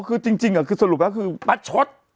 เออจริงค่ะสรุปนะมาชด